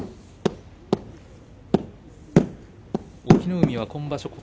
隠岐の海は今場所